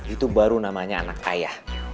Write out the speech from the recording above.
itu baru namanya anak kaya